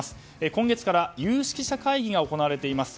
今月から有識者会議が行われています。